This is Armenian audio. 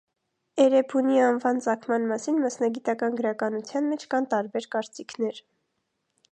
Էրեբունի անվան ծագման մասին մասնագիտական գրականության մեջ կան տարբեր կարծիքներ։